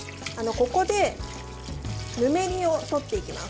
ここで、ぬめりを取っていきます。